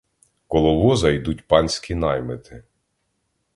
Коло воза йдуть панські наймити.